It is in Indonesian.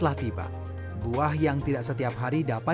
rasa suka sering kali datang